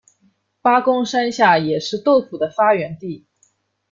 八公山下也是豆腐的发源地。